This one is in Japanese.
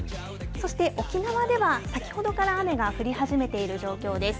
そして沖縄では先ほどから雨が降り始めている状況です。